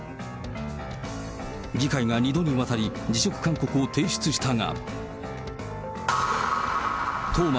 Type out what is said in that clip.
議会が２度にわたり辞職勧告を提出したが。